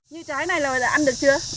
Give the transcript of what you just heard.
như trái này là ăn được chưa